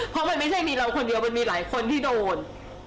เพราะมันไม่ใช่มีเราคนเดียวมันมีหลายคนที่โดน